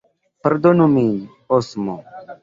Pardonu min, Osmo!